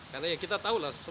karena kita tahu lah